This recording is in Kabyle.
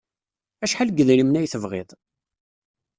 Acḥal n yedrimen ay tebɣiḍ?